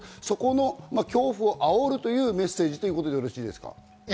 そこの恐怖を煽るというメッセージということでよろしいですか？